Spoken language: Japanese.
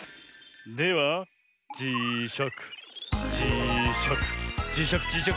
ではじしゃくじしゃくじしゃくじしゃく